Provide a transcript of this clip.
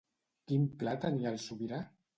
Quin pla tenia el sobirà?